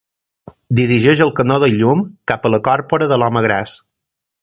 Dirigeix el canó de llum cap a la còrpora de l'home gras.